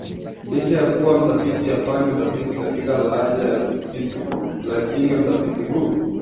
Licha ya kuwa mtafiti hafanyi utafiti katika lahaja ya Kitikuu lakini utafiti huu